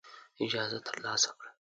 اجازه ترلاسه کړه.